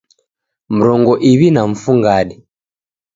Mrongo iw'i na mfungade